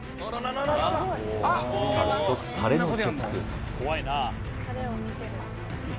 早速タレのチェック